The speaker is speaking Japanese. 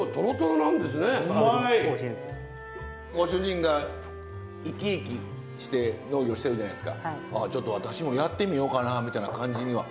ご主人が生き生きして農業してるじゃないですかちょっと私もやってみようかなみたいな感じには？